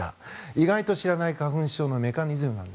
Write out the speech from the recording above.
意外と知らない花粉症のメカニズム。